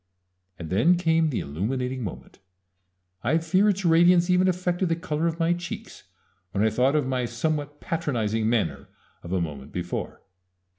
And then came the illuminating moment I fear its radiance even affected the color of my cheeks when I thought of my somewhat patronizing manner of a moment before.